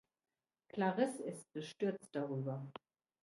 Clarisse ist bestürzt darüber.